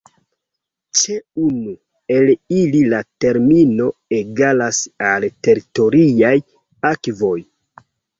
Ĉe unu el ili la termino egalas al teritoriaj akvoj.